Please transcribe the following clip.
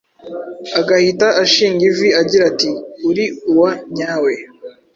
agahita ashinga ivi agira ati "Uri uwa nyawe,